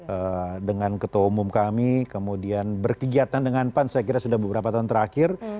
kemudian dengan ketua umum kami kemudian berkegiatan dengan pan saya kira sudah beberapa tahun terakhir